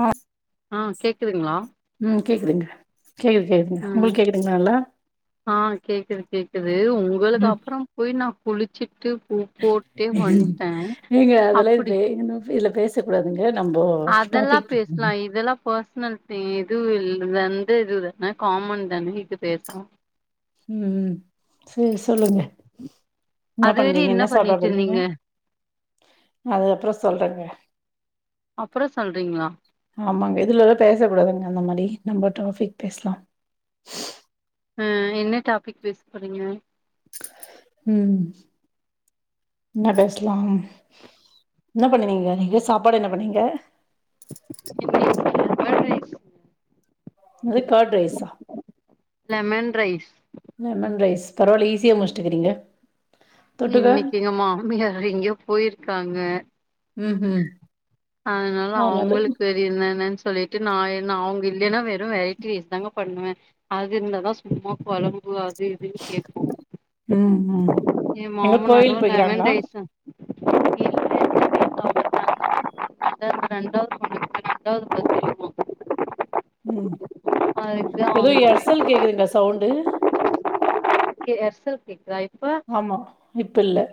ஆ ஆ கேக்குதுங்ளா ம் கேக்குதுங்க கேக்குது கேக்குதுங்க ம் உங்களுக்கு கேக்குதுங்ளா நல்லா ஆ கேக்குது கேக்குது உங்களுக்கு ம் அப்றோ போய் நா குளிச்சிட்டு பூ போட்டுட்டே வந்டே நீங்க அதெல்லா இது அப்புடி பே இதுல பேசக்கூடாதுங்க நம்போ அதெல்லா டாபிக் பேசலா இதெல்லா பர்சனல் இது இல் இந்த இது தானே காமன் தானே இது பேசலா ம் ம் சேரி சொல்லுங்க என்னா அது வர பண்றீங்க என்ன சாப்பாடு பண்ணிட்டு பண்ணீங்க இருந்தீங்க அதுக்கப்றோ சொல்றேங்க அப்பறம் சொல்றீங்ளா ஆமாங்க இதுலல்லா பேசக்கூடாதுங்க அந்த மாதிரி நம்ப டாபிக் பேசலா ம் என்ன டாபிக் பேச போறிங்க ம் இன்னா பேசலாம் இன்னா பண்னுவிங்க நீங்க சாப்பாடு என்ன பண்ணீங்க இன்னைக்கு லெமன் ரைஸ்ங்க என்னது கார்ட் ரைஸா லெமன் ரைஸ் லெமன் ரைஸ் பரவால்ல ஈஸியா முஷ்டுகிறிங்க இன்னிக்கு எங்க மாமியார் எங்கோ போயிருக்காங்க ம் ம் அதனால ஆ நல்லது அவுங்களுக்கு அது என்னென்னான்னு சொல்லிட்டு நா அவுங்க இல்லன்னா வெறு வெரைட்டி ரைஸ் தாங்க பண்ணுவே அது இருந்தா தா சும்மா கொழம்பு அது இதுன்னு கேக்கு ம் ம் எயா எங்க மாமனாரு கோயில் லெமன் போய்க்கிறாங்களா ரைஸா இல்லல்ல இத்தா அது இருந்தா தா [inaudible] ரெண்டாது முற செய்வோ ம் ஏதோ எர்சல் கேக்குதுங்க சவுண்டு ஏர்செல் கேக்குதா இப்ப ஆமா இப்பல்ல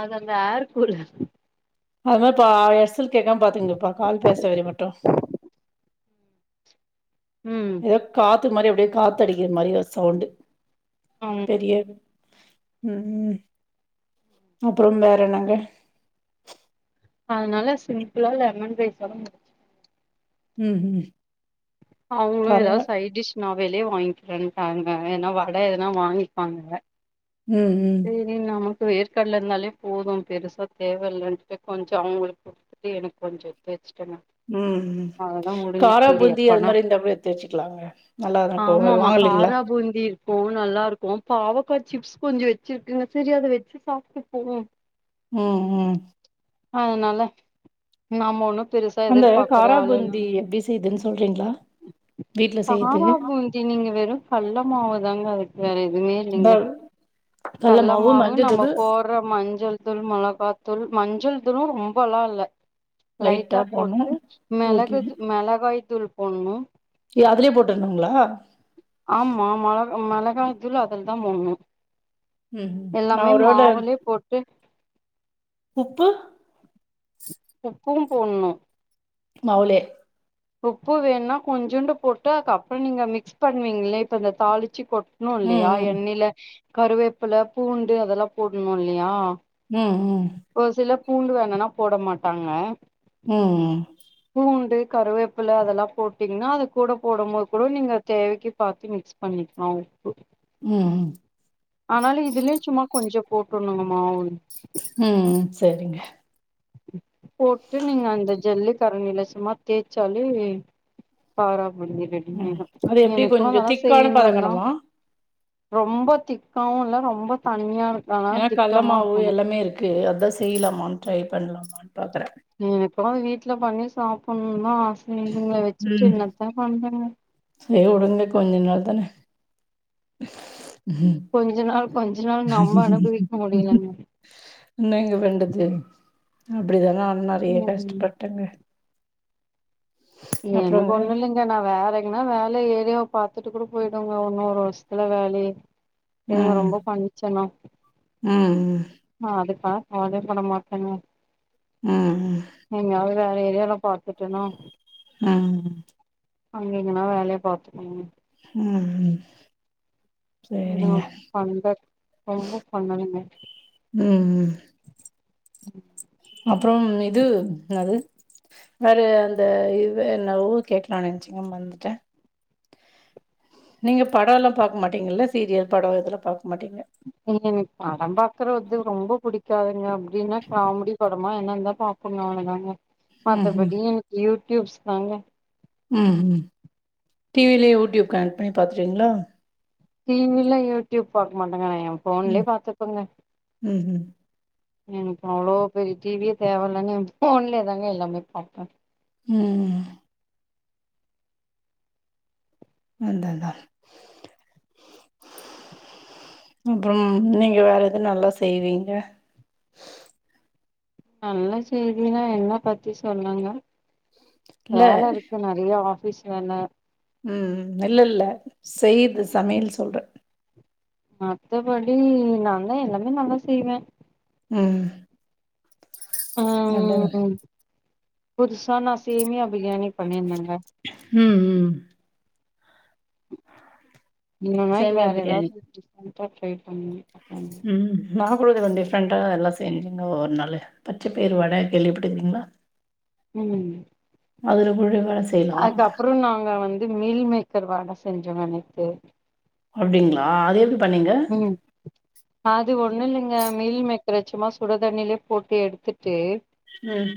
அது அந்த ஏர் கூலர் அதாபா எர்செல் கேக்காம பாத்துகுங்கப்பா கால் பேசற வெற மட்டு ம் அப்டே காத்து மாரி அப்டியே காத்து அடிக்கிற மாரி ஒரு சவுண்ட் ம் பெரிய ம் அப்பறம் வேற என்னங்க அதனால சிம்பளா லெமன் ரைஸ் ஒட முடிச் ம் ம் அவுங்களு ஏதாது பரவா சைட் டிஷ் நா வெளிய வாங்கிறேன்டாங்க ஏன்னா வட எதனா வாங்கிப்பாங்க ம் ம் செரி நமக்கு வேர்க்கடல இருந்தாலே போது பெருசா தேவல்லன்டு கொஞ்சோ அவுங்களுக்கு துட்டு எனக்கு கொஞ்சோ எடுத் வெச்சிட்டேங்க ம் காரா பூந்தி அது எப்பனா மாதிரி இருந்தா கூட எடுத்து வச்சுக்கலாங்க நல்லாதாக்கு ஆமாமா வாங்கலைங்களா காரா பூந்தி ஓ நல்லாருக்கு பாவக்கா சிப்ஸ் கொஞ்சோ சிப்ஸு வச்சு சுஜியாது வச்சு சாப்ட்டு போவோ ம் ம் அதுனால நம்ம ஒன்னு பெருசா அந்த எதிர்பாக்குற காரா ஆளுன் பூந்தி எப்டி செய்யுதுன்னு சொல்றீங்களா வீட்ல காரா செய்யறதுக்கு பூந்தி நீங்க வெறு கள்ள மாவுதாங்க அதுக்கு வேற எதுமே அதா இல்லைங்க கல்ல மாவு கள்ளமாவு நம்ம மஞ்சத்தூளு போட் அப்பற மஞ்சள் தூள் மொளகா தூள் மஞ்சள் தூளும் ரொம்பல்லா இல்ல லைட்டா போட்டு ஓகே மிளகு மெளகாய் தூள் போட்ணு இல்ல அதுலயே போட்ருணுங்ளா ஆமா மெல மெளகா தூள் அதுலதா போட்ணு ம் ம் நா எல்லாமே ஒருவேள மாவுலே போட்டு உப்பு உப்பு போட்ணு மாவுலே உப்பு வேணுனா கொஞ்சோண்டு போட்டு அதுக்கப்பற நீங்க மிக்ஸ் பண்ணுவீங்களே இப்ப இந்த தாளிச்சு கொட் ணு ம் இல்லையா ம் எண்ணெய்ல கருவேப்புல பூண்டு அதெல்லா போட்ணுல்லையா ம் ம் ஒரு சிலர் பூண்டு வேணானா போட மாட்டாங்க ம் ம் பூண்டு கருவேப்பில அதெல்லா போட்டீங்ன்னா அது கூட போடு போது கூட நீங்க தேவைக்கு பாத்து மிக்ஸ் தண்ணிக் மாவு உப்பு ம் ஆனாலு இதுலயு சும்மா கொஞ்சோ போட்டுணுங்க மாவு ம் சரிங்க போட்டு நீங்க அந்த ஜல்லி கரண்டில சும்மா தேய்ச்சாலே காரா பூந்தி ரெடி ம் ஆய்டு அது எப்டி எனக்கு கொஞ்சோ அதா திக்கான செய்யுனுனா பதங்கணுமா ரொம்ப திக்காவு இல்ல ரொம்ப தண்ணியாருக் னா கள்ள மாவு எல்லாமே இருக்கு அதா செய்லாமான் ட்ரை பண்லாமான் பாக்குர எனக்கு அத வீட்ல பண்ணி சாப்ணுனுதா ஆச இதுங்கள வச்சுட்டு என்னத்த பண்ணனு சேரி உடுங்க கொஞ்சோ நாள் தான கொஞ்ச நாள் கொஞ்ச நாள் நம்ம அனுபவிக்க முடியலங்க என்னங்க பண்றது அப்படிதான ஆட்னாரு நெறய ம் கஷ்டப்பட்டேங்க எனக்கு அப்றோங்க ஒன்னுலங் இல்ல நான் வேற எங்கன்னா வேல ஏரியா பாத்துட்டு கூட போயிடுவங்க இன்னு ஒரு வருஷத்துல வேலயே இவங்க ரொம்ப பண்ணுச்சினா ம் ம் நா அதுக்கலா கவலே பட மாட்டங்க ம் ம் எங்கயாவது வேற ஏரியால பாத்துட்டனா ம் அங்க எங்கன்னா வேலய பாத்துகணுங்க ம்ம் ம் அம் பன்ரக் ரொம்ப பண்ணுதுங்க ம்ம் அப்ரம் இது என்னாது வேறே அந்த இவெ என்ன ஊ கேக்லா நென்ச்சிங்க மந்துட்டே நீங்க படலா பாக்க மாட்டீங்கல்ல சீரியல் படோ இதெல்லா பாக் மாட்டீங்க நீ எனுக் படம் பாக்குரவத்து ரொம்ப புடிக்காதுங்யம் இங்யுங்க காமடி படமா என்னந்தா பாப் புன் அவ்ளே தாங்க ம்ஹூம் மத்தபடி எனக்கு யூட்யூப்ஸ் தாங்க ம் ம் டிவிலே வுட்யூப் கனக் பண்ணி பாத்றீங்ளா டிவில யூட்யூப் பாக்க மாட்டேங்கணெ எ ஃபோன்லே பாத்துப்புங்க ம் ம் எனக் அவ்ளோ பெரிய டிவியே தேவல்லன்னு இப்போன்லே தாங்க எல்லாமே பாப்ப ம் ம் அந்த தா அப்றன் நீங்க வேற எது நல்லா செய்வீங்க நல்ல செய்தினா என்னா பத்தி சொல்லுங்க இல்ல வேல இருக்கு நறியா ஆஃபீஸ் வேல ம் ம் இல்லல்ல செய்து சமையல் சொல்றே மத்தபடி நான்தே எல்லாமே நல்லா செய்வே ம் ஆ நட்டதா புதுசா நா சேமியா பிரியாணி பண்ணிந்தங்க ம் ம் இன்னொ நாய்க் சேமியா வேற பிரியாணி ஏதாவ் டிஃப்ரண்டா ஃப்ரைட் பண் ம் நா கூட திதண்டே இஃப்ரெண்ட்டா எல்லா செஞ்சிங்க ஓர் நாள்ளே பச்ச பேர் வட கேள்விப்பட்டுக்றீங்ளா ம் அதுரு புடுவாஸ் அக்கப்றுன் நாங்க வந்து மீல் மேக்கர் வாட செஞ்சோங்க நேத்து அப்டிங்களா அது எப்டி பண்ணீங்க ம் அது ஒன் இல்லங்க மீல் மேக்கரச்சும்மா சுடுதண்ணில்யே போட்டு எடுதுட்டே ம்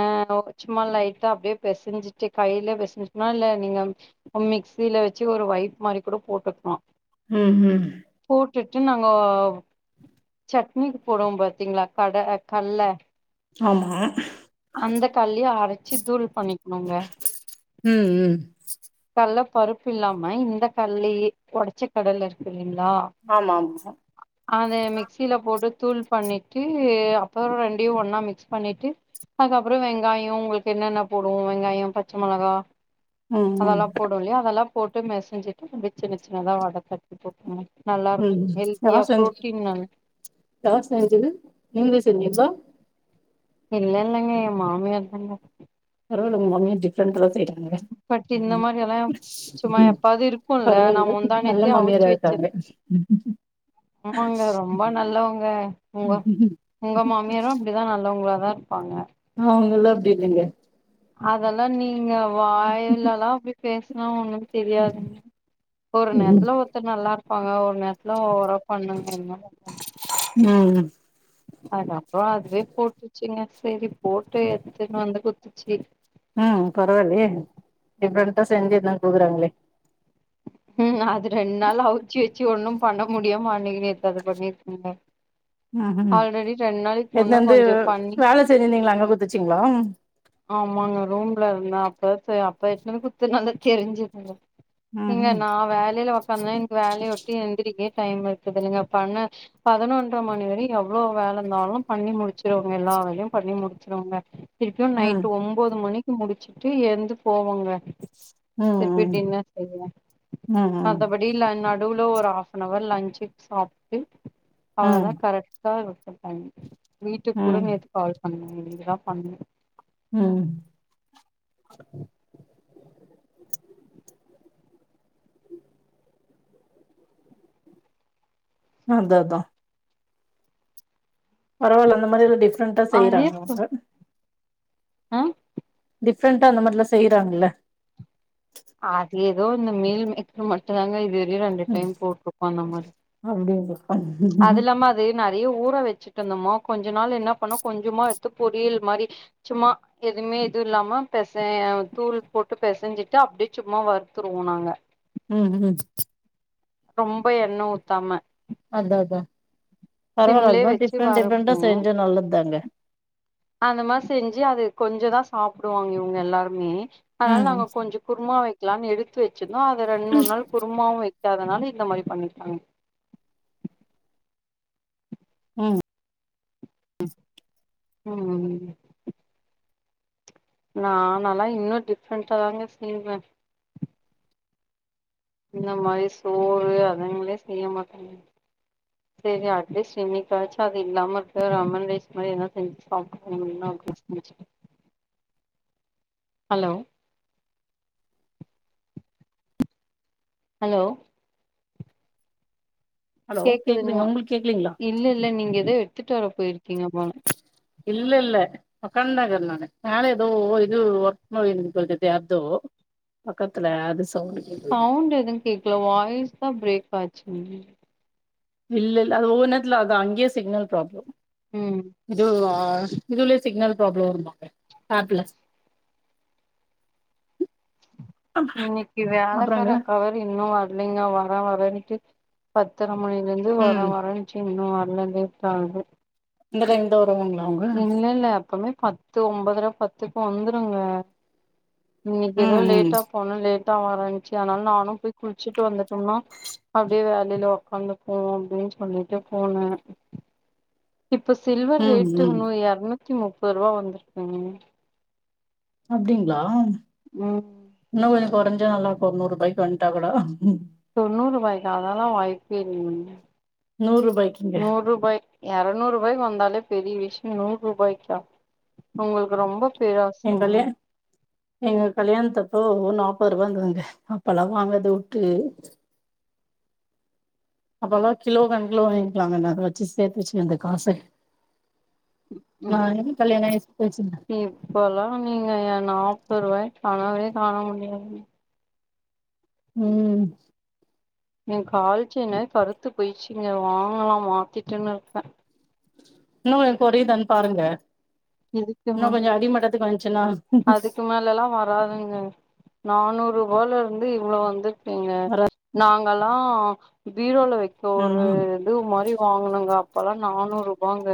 ஆ ஒ ச்சுமா லைட்டா அப்ட்யே பெசஞ்சிட்டே கைய்ல பெசஞ்சுட்னா இல்ல நீங்கம் அம் மிக்சில வெச்சு ஒரு வய்ப் மாரி கூட போட்டுக்ஆ ம் ம் போட்டுட்டு நாங்கொவ் சட்னிக்கு போடுவோ பாத்தீங்ளா கட கல்ல ஆமா அந்த கல்லே அரச்சு தூள் பண்ணிக்ணுங்க ம், ம். கல்ல பருப்பில்லாமய் இந்த கல்லேயே உடச்சி கடல்ல இருக் இல்லிங்ளா ஆமாம் ஹ அத மிக்ஸில போட்டு தூள் பண்ணிட்டு அப்பறோ ரெண்டையு ஒண்ணா மிக்ஸ் பண்ணிட்டு அதுக்கப்றோ வெங்காயோ ஒங்களுக்கு என்னென்ன போடுவோ வெங்காயோ பச்ச மெளகா ம், ம், அதெல்லா போடு இல்லயா அதெல்லா போட்டு மெசஞ்சிட்டு வெச்சினு சின்னதா வட தட்டி போட்ய நல்லார்க் ஹெல்த்தியா ப்ரோட்டீன்னன் தார் செஞ்சது நீங்லே செஞ்சித்தா இல்ல இல்லங்க எ மாமியார் தங்க பரவால்ல ஒங்க மாமியார் டிஃப்ரெண்ட்டலா செய்றாங்க பட் இந்த மாரி எல்லா சும்மா எப்பாவது இருக்குல்ல நா பரவால்ல முந்தா நல்ல நேத்தே அவிச்சு வச்சிருந்தே மாமியாராருக்காங்க ம் ஆமாங்க ரொம்ப நல்லோங்க ஒங்க ஒங்க மாமியாரு இப்டிதா நல்லோங்ளா தாருப்பாங்க அவுங்கள்லா அப்டி இல்லங்க அதெல்லா நீங்க வாய்லல்லா அப்டி பேசுனா ஒண்ணு தெரியாதுங்க ஒரு ம். நேரத்துல ஒ ர்த்தர் நல்லாருப்பாங்க ஒரு நேரத்துல ஓவரா பண்ணுங்க என்னங்க பண் [unintelligible] அது அப்றோ அதுவே போட்ருச்சுங்க சேரி போட்டு எத்துன்னு வந்து குத்துச்சி ம் பரவால்லயே டிஃப்ரெண்ட்டா செஞ்சு எத்துனு வந்து குட்க்குறாங்களே ம் அது ரெண்டு நாள் அவுச்சி வச்சி ஒண்ணு பண்ண முடியாமா அன்னக்கி நேத்து அத பண்ணிருக்காங்க ம் ம் ஆல்ரெடி ரெண்டு நாளைக் முன்ன கொஞ்சொ பண்ணி தெரில்லைங்ள அங்க குட்த்துச்சுங்ளா ஆமாங்க ரூம்லருந்தே அப்பத்து அப்ப எத்துனு வந்து குத்துனாங்க கெறிஞ்சதுங்க ம் ஏங்க ம் நா வேலைல ஒக்காந்தே எனக்கு வேலய வுட்டு எந்திரிக்கே டைம் இருக்குதுல்லைங்க பன்ன பதனொன்ற மணி வரயு எவ்ளோ வேல இந்தாலு பண்ணி முடிச்சிருவேங்க எல்லா வேலயு பண்ணி முடுச்சிருவேங்க திருப்பியு ம் நைட்டு ஒம்போது மணிக்கு முடிச்சுட்டு எழ்ந்து போவங்க திருப்பி ம் டின்னர் செய்ய ம் ம் மத்தப டிலா நடுவுல ஒரு ஆஃப் அன் அவர் லஞ்ச்சு சாப்ட்டு அவ்ளோ ம் தா கரெக்ட் டாருக்கு டைம் வீட்டுக்கு கூட ம் நேத்து கால் பண்ல இனிமே தா பண்ணு ம் அததா பரவால்ல அந்த மாரில டிஃப்ரெண்ட்டா அதே செய்றாங்க ப அவுங்க ஆ டிஃப்ரண்ட்டா அந்த மார்லா செய்றாங்கள்ல அது எதோ இந்த மீல் மேக்கர் மட்டுந்தாங்க இதுவர்லியு ரெண்டு டைம் போட்ருப்பாங்க மாரி அப்டியில்ல அதுல்லாம அது நறைய ஊற வச்சுட்ருந்தமா கொஞ்ச நாள் என்ன பண்ணோ கொஞ்சமா எட்த்து பொரியல் மாரி சும்மா எதுமே இது இல்லாம பெசய தூள் போட்டு பெசஞ்சிட்டு அப்டியே சும்மா வறுத்துருவோ நாங்க ம் ம் ரொம்ப எண்ண ஊத்தாம அததா பரவால்ல அது சிம்லே மார் வச்சு டிஃப்ரெண்ட் டிஃப்ரெண்ட்டா வறுப்போ செஞ்சா நல்லதாங்க அந்த மார் செஞ்சு அது கொஞ்ச தா சாப்டுவாங்க இவுங்க எல்லாருமே ஆனால ம் நாங்க கொஞ்சொ குருமா வெக்லான் எடுத்து வச்சிருந்தோ அத ரெண்டு மூண் நாள் கு ருமாவு வெக்காதனால இந்த மாரி பண்ணிட்டாங்க ம் ம் நா நல்லா இன்னு டிஃப்ரெண்ட்டா தாங்க செய்வே இந்த மாரி சோறு அதுங்ளே செய்ய மாட்டங்கங்க செரி அட்லீஸ்ட் இன்னைக்காச்சு அது இல்லாம இருக்க லெமன் ரைஸ் மாரி எதுனா செஞ்சு சாப்புனு கொஞ் நேரோ கழிச் கழுச்சி ஹலோ ஹலோ ஹலோ கேக்குதுங்ளா கேக்குதுங்க உங்களுக்கு கேக்கலீங்களா இல்ல இல்ல நீங்க எதோ எடுத்துட்டு வர போயிருக்கீங்க போல இல்லெல்ல ஒக்கான் தாகிர்ந்தாங்க நானு எதோ இது ஒர்க் [unintelligible] சொல்ட்டு [unintelligible] பக்கத்துல அது சவுண்டு சவுண்டு எதுவு கேக்கல வாய்ஸ் தா ப்ரேக் ஆச்சு இல்ல இல்ல அது ஒவ்வொரு நேரத்துல அது அங்கே சிக்னல் ப்ராப்ளம் ம் இது ஆ இதுள்ளே சிக்னல் ப்ரோப்ளோ வருமா ஆப்ல இன்னைக்கி வேலக்கார அப்புறங்க அக்கா வேற இன்னு வர்லைங்க வர வரனுட்டு பத்தர மணில ந்து இது வர ம் வரனுச்சு இன்னு வர்ல லேட் ஆகுது இந்த டைம்கு தா வருவாங்களா அவுங்க இல்ல இல்ல எப்பமே பத் து ஒம்பதர பத்துக்கு வந்துருங்க இன்னைக்கு ஏதோ ம் ம் லேட்டா ஒன்னு லேட்டா வரேனுச்சு அதனால நானு போய் குளுச்சுட்டு வந்துட்டோம்னா அப்டியே வேலையில உக்காந்துபோ அப்டின்னு சொல்லிட்டு போன இப்போ சில்வர் ம் ரேட்டு ம் இன்னு எருநூத்தி முப்பது ரூவா வந்துருக்குங்க அப்டிங்ளா ம் இன்னு கொஞ்சோ கொறஞ்சா நல்லாக்கு ஒரு நூறு ரூபாய்கு வந்துட்டா கூட தொண்ணூறு ரூபாய்க்கா அதெல்லா வாய்ப்பே இல்ல நூறு ரூபாய்க்குங்க நூறு ரூபாய் எரநூறு ரூபாய்கு வந்தாலே பெரிய விஷ்யோ நூறு ரூபாய்க்கா உங்களுக்கு ரொம்ப பேராசங்க எங்களே எங்க கல்யாணத்தப்போ ஒரு நாப்பது ரூபா இருந்ததுங்க அப்பெல்ல வாங்கறத வுட்டு அப்போல கிலோ கணக்குல வகிக்கலாமே நாக வச்சு சேத்து வச்சு அந்த காச ஆ ஏ கல்யாண ஆயி போயிச்சுங்க இப்பெல்லா நீங்க நாப்பது ரூவாய கனவே காண முடியாது ம் ஏ கால்செயினு கருத்து போயிச்சுங்க வாங்கலா மாத்திட்டுன்னு இருக்க இன்னு ஒ கொறைதான் பாருங்க இதுக்கு மே இன்னு கொஞ்சோ அடிமட்டத்துக்கு வந்சுனா இதெல்லா வராதுங்க நானூறு ரூபால இருந்து இவ்வளவு வந்துடீங்க வரா நாங்கெல்லா பீரோல வைக்க ஒரு ம் இது மாரி வாங்கனுங்க அப்பெல்லா நானூறு ரூபாங்க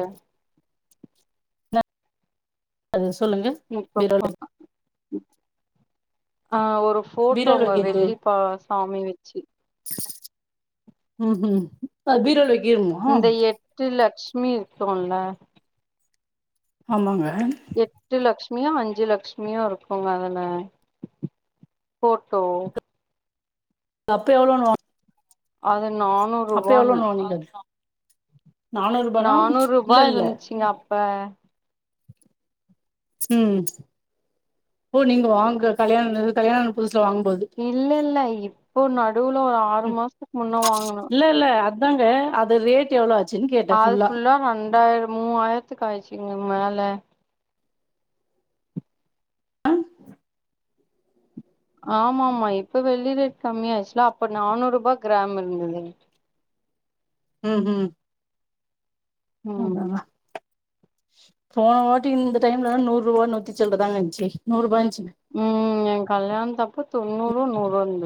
அது சொல்லுங்க இப்போ பீரோல பா ஆ ஒரு பீரோல ஃபோட்டோங்க வெள்ளிப்ப சாமி வெச்சு உஹூ அ பீரோலவை இந்த எட்டு லெக்ட்மி இருக்குல ஆமாங்க எட்டு லெக்ட்சுமியு அஞ்சு லெக்ட்மியு இருக்குங்க அதுல ஃபோட்டோ அப்ப எவ்ளோனு வாங் அது நானூறு ரூபான்னு இல்ல நானூறு ரூபானா நானூறு ரூபா இல்ல இல்ல இருந்துச்சுங்க அப்ப ம் ஓ நீங்க வாங்க கல்யாண கல்யாண புதுசுல வாங்கும் போது இல்ல இல்ல இப்போ நடுவுல ஒரு ஆறு மாசத்துக்கு முன்னா வாங்கனோ இல்லல்ல அத் தாங்க அது ரேட் எவளோ ஆ அது ஃபுல்லா ரெண்டாயிர மூவாயிரத்துக்கு ஆயிச்சுங்க மேல ஆமா ஆமா இப்ப வெள்ளி ரேட் கம்மியாயிச்சுல்ல அப்ப நானூறுபா கிராம் இருந்தது ம்ஹு ம் ஆண்டவா போன வாட்டி இந்த டைம்லதா நூறுவா நூத்தி சில்றதாங்க இருந்ச்சு நூறுபா இருந்ச்சு ம் ஏ கல்யாணத்தப்போ தொண்ணூறோ நூறோ இருந்தது